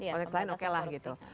konteks lain okelah gitu